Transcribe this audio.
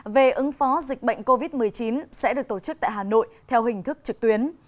về ứng phó dịch bệnh covid một mươi chín sẽ được tổ chức tại hà nội theo hình thức trực tuyến